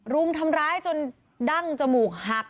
รุมทำร้ายจนดั้งจมูกหัก